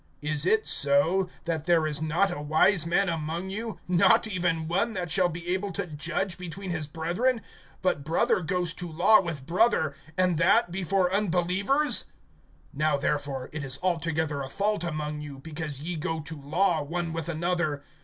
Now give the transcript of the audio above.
Is it so, that there is not a wise man among you, not even one that shall be able to judge between his brethren; (6)but brother goes to law with brother, and that before unbelievers? (7)Now therefore, it is altogether a fault among you, because ye go to law one with another.